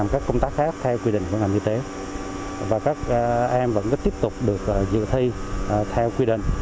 các em vẫn tiếp tục được dự thi theo quy định